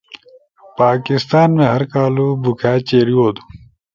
پاکستان می ہر کالُو بُوکھاد چیری ہودُو۔